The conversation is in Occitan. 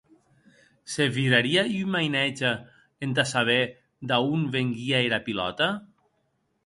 Se virarie un mainatge entà saber d'a on venguie era pilòta?